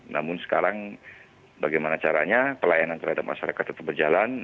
namun sekarang bagaimana caranya pelayanan terhadap masyarakat tetap berjalan